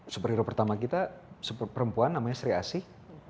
super hero pertama kita perempuan namanya sri asih